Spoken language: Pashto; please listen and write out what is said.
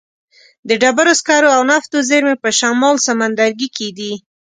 د ډبرو سکرو او نفتو زیرمې په شمال سمندرګي کې دي.